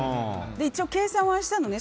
一応計算はしたのね。